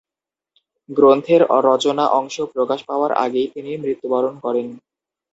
গ্রন্থের রচনা-অংশ প্রকাশ পাওয়ার আগেই তিনি মৃত্যুবরণ করেন।